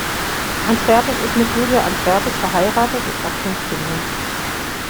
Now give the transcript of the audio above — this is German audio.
Antwerpes ist mit Julia Antwerpes verheiratet und hat fünf Kinder.